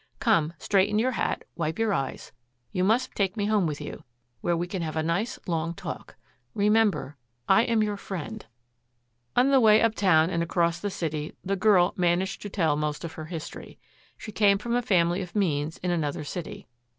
Come, straighten your hat, wipe your eyes. You must take me home with you where we can have a nice long talk. Remember, I am your friend." On the way uptown and across the city the girl managed to tell most of her history. She came from a family of means in another city.